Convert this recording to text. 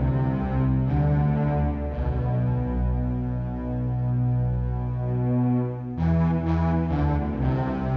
liat aku ketemu lagi sama pak wofi